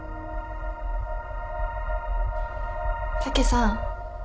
武さん。